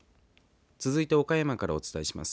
続いて岡山からお伝えします。